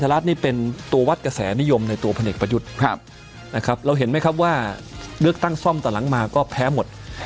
เราเห็นไม่ครับว่าเลือกตั้งซ่อมต่อหลังมาก็แพ้หมด